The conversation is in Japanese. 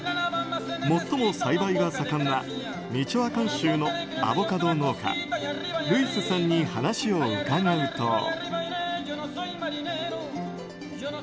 もっとも栽培が盛んなミチョアカン州のアボカド農家、ルイスさんに話を伺うと。